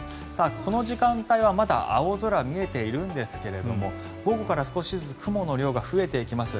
この時間帯はまだ青空見えているんですけれども午後から少しずつ雲の量が増えていきます。